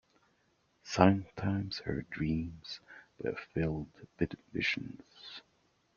Sometimes her dreams were filled with visions.